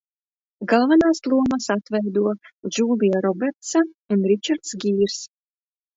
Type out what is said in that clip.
Galvenās lomas atveido Džūlija Robertsa un Ričards Gīrs.